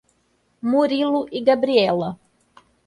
Murilo e Gabriela